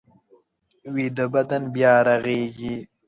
ویده بدن بیا رغېږي